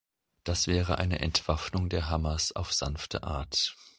Das wäre eine Entwaffnung der Hamas auf sanfte Art.